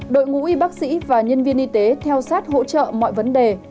đội ngũ bác sĩ và nhân viên y tế theo sát hỗ trợ mọi vấn đề